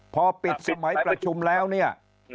พอปิดสมัยประชุมแล้วเนี่ย